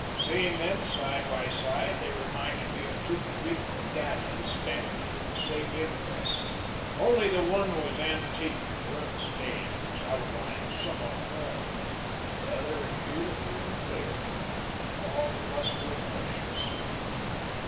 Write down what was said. Seeing them side by side, they reminded me of two Greek medallions stamped with the same impress, only the one was antique, earth stained, its outlines somewhat worn; the other beautiful and clear, in all the luster of freshness.